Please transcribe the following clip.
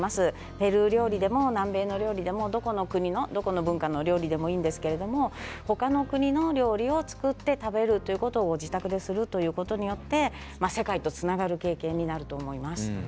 ペルー料理でも、南米の料理でもどこの国のどの文化の料理でもいいんですけれども他の国の料理を作って食べるということを自宅でするということによって世界とつながる経験になると思います。